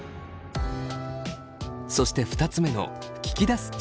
そして２つ目の聞き出す力。